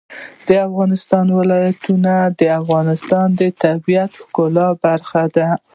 د افغانستان ولايتونه د افغانستان د طبیعت د ښکلا برخه ده.